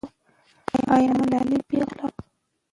آیا ملالۍ پېغله وه؟